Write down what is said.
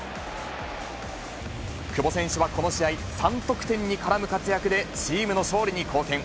久保選手はこの試合、３得点に絡む活躍で、チームの勝利に貢献。